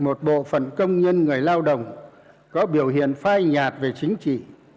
một bộ phận công nhân người lao động có biểu hiện phai nhạt về chính trị